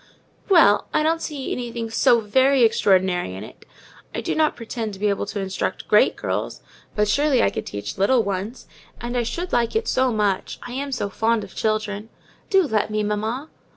"Well! I don't see anything so very extraordinary in it. I do not pretend to be able to instruct great girls; but surely I could teach little ones: and I should like it so much: I am so fond of children. Do let me, mamma!"